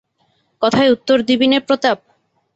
কথায় উত্তর দিবি নে প্রতাপ?